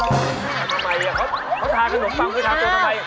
แล้วทำไมเขาทานขนมปังคือทานตัวทำไม